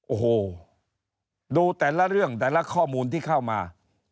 โอ้โหดูแต่ละเรื่องแต่ละข้อมูลที่เข้ามา